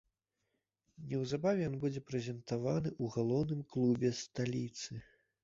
Неўзабаве ён будзе прэзентаваны ў галоўным клубе сталіцы.